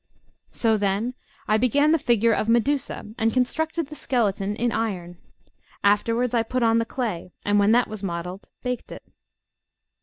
So then I began the figure of Medusa, and constructed the skeleton in iron. Afterwards I put on the clay, and when that was modelled, baked it.